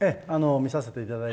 見させて頂いて。